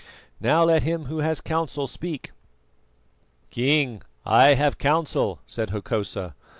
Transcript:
Now let him who has counsel speak." "King, I have counsel," said Hokosa.